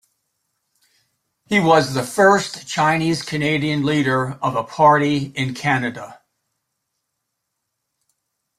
He was the first Chinese Canadian leader of a party in Canada.